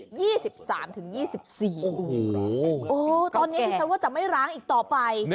โอ้โหโอ้ตอนนี้ดิฉันว่าจะไม่ร้างอีกต่อไป